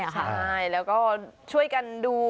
ใช่แล้วก็ช่วยกันดู